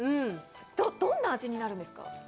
どんな味になるんですか？